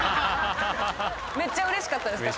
めっちゃ嬉しかったですか？